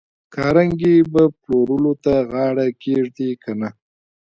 کارنګي به پلورلو ته غاړه کېږدي که نه